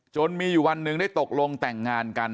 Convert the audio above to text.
มีอยู่วันหนึ่งได้ตกลงแต่งงานกัน